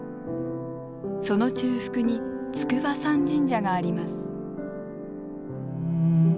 その中腹に筑波山神社があります。